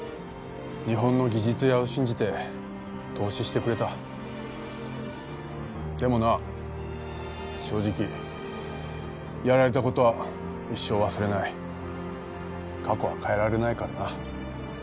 日本の技術屋を信じて投資してくれたでもな正直やられたことは一生忘れない過去は変えられないからな